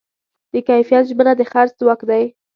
د کیفیت ژمنه د خرڅ ځواک دی.